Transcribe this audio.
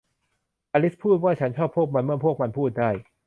อลิซพูดว่า ฉันชอบพวกมันเมื่อพวกมันพูดได้